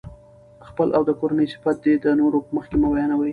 خپل او د کورنۍ صفت دي د نورو په مخکي مه بیانوئ!